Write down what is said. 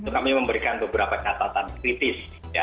kami memberikan beberapa catatan kritis